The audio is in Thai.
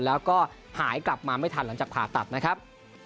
แล้วก็หายกลับมาไม่ทันหลังจากผ่าตัดนะครับ